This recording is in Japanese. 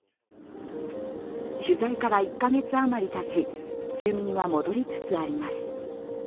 取材から１カ月余りたち、住民は戻りつつあります。